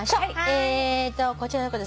えーっとこちらの方です。